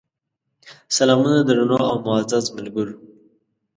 سلامونه درنو او معزز ملګرو!